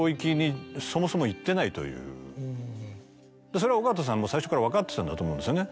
それは緒形さんも最初から分かってたんだと思うんですよね。